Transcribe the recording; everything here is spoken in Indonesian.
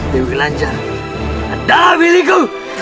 dewi lanjar adalah milikku